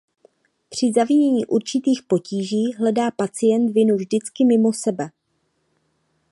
Při zavinění určitých potíží hledá pacient vinu vždycky mimo sebe.